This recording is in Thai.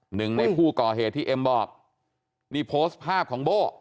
หนึ่งในผู้ก่อเหตุที่เอ็มบอกนี่โพสต์ภาพของโบ้